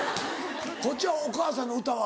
こっちはお母さんの歌は？